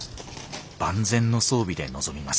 万全の装備で臨みます。